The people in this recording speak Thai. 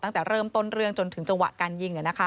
ตั้งแต่เริ่มต้นเรื่องจนถึงจังหวะการยิง